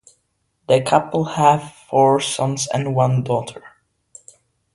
The couple have four sons and one daughter.